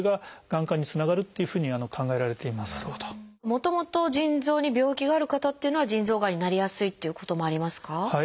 もともと腎臓に病気がある方っていうのは腎臓がんになりやすいっていうこともありますか？